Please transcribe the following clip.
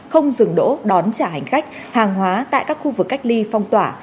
không dừng đỗ đón trả hành khách hàng hóa tại các khu vực cách ly phong tỏa